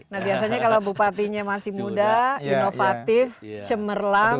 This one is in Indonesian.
nah biasanya kalau bupatinya masih muda inovatif cemerlang